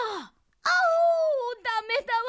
アオーダメだわ。